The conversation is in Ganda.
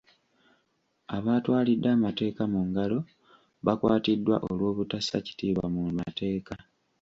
Abaatwalidde amateeka mu ngalo bakwatiddwa olw'obutassa kitiibwa mu mateeka.